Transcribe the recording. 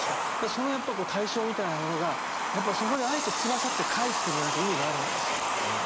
そのやっぱり対照みたいなものがそこであえて「翼」って書いてるのには意味があるんですよ。